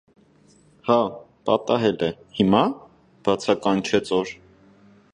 - Հա՛, պատահել է, հիմա՞,- բացականչեց օր.